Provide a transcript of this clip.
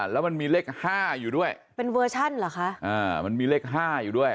แล้วมันมีเลขห้าอยู่ด้วยเป็นเวอร์ชั่นเหรอคะอ่ามันมีเลขห้าอยู่ด้วย